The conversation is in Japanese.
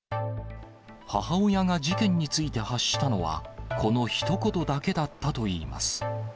母親が事件について発したのは、このひと言だけだったといいます。